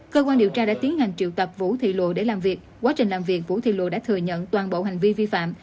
cơ quan điều tra đã tiến hành triệu tập vũ thị lụa để làm việc quá trình làm việc vũ thị lụa đã thừa nhận toàn bộ hành vi vi phạm